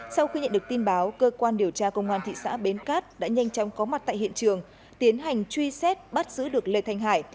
sau khi nhận được tin báo cơ quan điều tra công an thị xã bến cát đã nhanh chóng có mặt tại hiện trường tiến hành truy xét bắt giữ được lê thanh hải